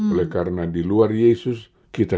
oleh karena di luar yesus kita